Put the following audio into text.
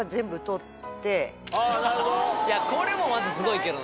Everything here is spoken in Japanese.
これもまたすごいけどな。